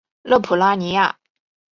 勒普拉尼亚。